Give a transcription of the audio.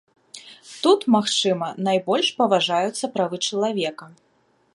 Тут, магчыма, найбольш паважаюцца правы чалавека.